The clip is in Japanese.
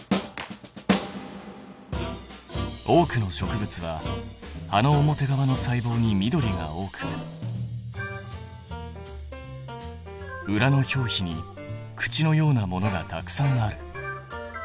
多くの植物は葉の表側の細胞に緑が多く裏の表皮に口のようなものがたくさんある。